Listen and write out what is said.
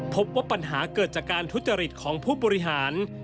พบว่าปัญหาเกิดจากการทุจริตของผู้บริหาร